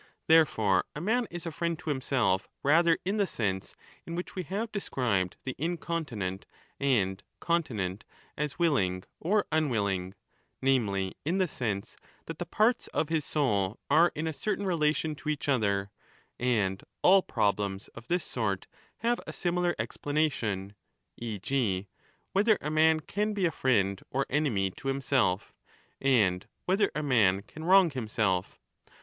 Therefore a man is a friend to him self rather in the sense in which we have described ^ the incontinent and continent as willing or unwilling, namely in the sense that the parts of his soul are in a certain relation to each other ; and all problems of this sort have a similar explanation, e. g. whether a man can be a friend ) or enemy to himself, and whether a man can wrong him ^ 20 self.